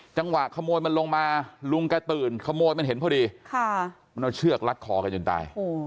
จังหวะขโมยมันลงมาลุงแกตื่นขโมยมันเห็นพอดีมันเอาเชือกรัดคอแกจนตาย